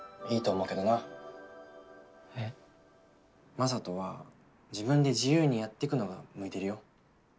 雅人は自分で自由にやってくのが向いてるよ。